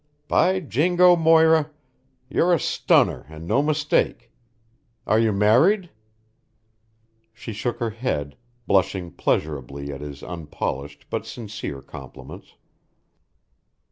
By jingo, Moira, you're a stunner and no mistake. Are you married?" She shook her head, blushing pleasurably at his unpolished but sincere compliments.